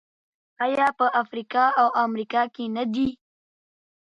آیا په افریقا او امریکا کې نه دي؟